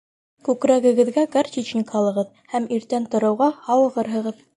Күкрәгегеҙгә горчичник һалығыҙ һәм иртән тороуға һауығырһығыҙ